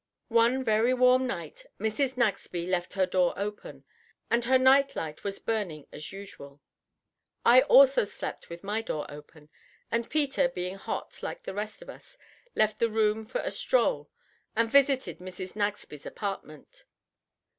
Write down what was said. One very warm night Mrs. Nagsby left her door open, and her night light was burning as usual. I also slept with my door open, and Peter, being hot like the rest of us, left the room for a stroll, and visited Mrs. Nagsby's apartment.